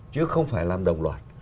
chứ không phải làm đồng loại